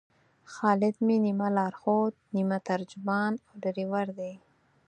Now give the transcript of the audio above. خالد مې نیمه لارښود، نیمه ترجمان او ډریور دی.